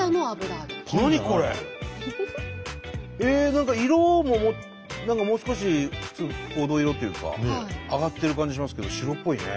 何か色も何かもう少し普通黄土色っていうか揚がってる感じしますけど白っぽいね。